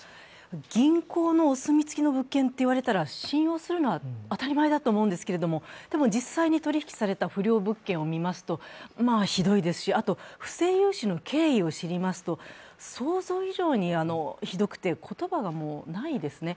銀行のお墨付きの物件と言われたら信用するのは当たり前だと思うんですけれどもでも実際に取引された不良物件を見ますとまあひどいですし、あと不正融資の経緯を知りますと、想像以上にひどくて言葉がないですね。